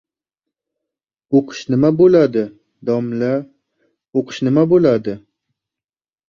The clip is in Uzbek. — O‘qish nima bo‘ladi, domla, o‘qish nima bo‘ladi?